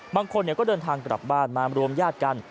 บางคนก็เดินทางกลับบ้านมารวมญาติกัน